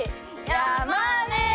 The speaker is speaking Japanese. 山根！